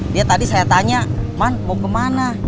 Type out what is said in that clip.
dia tadi saya tanya man mau kemana